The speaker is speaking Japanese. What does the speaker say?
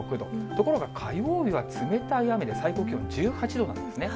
ところが火曜日は冷たい雨で、最高気温１８度なんですね。